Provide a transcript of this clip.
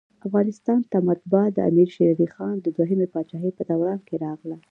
افغانستان ته مطبعه دامیر شېرعلي خان د دوهمي پاچاهۍ په دوران کي راغله.